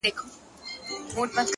پرمختګ د نن له پرېکړو پیلېږي